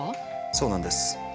そうなんです。